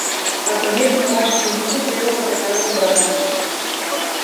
Ако не сме баш циници, треба да се каже обратното.